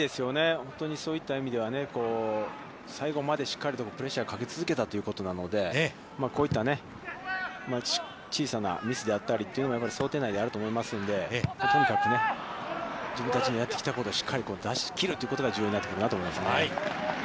本当にそういった意味では最後までしっかりとプレッシャーをかけ続けたということなので、こういった小さなミスであったりというのは、想定内であると思いますので、とにかくね、自分たちのやってきたことをしっかり出しきるということが重要になってくるなと思いますね。